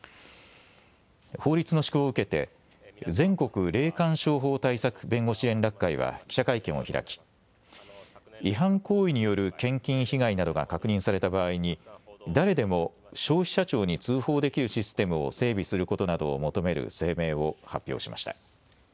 法律の施行を受けて全国霊感商法対策弁護士連絡会は記者会見を開き、違反行為による献金被害などが確認された場合に誰でも消費者庁に通報できるシステムを整備することなどを求める声明を発表しました。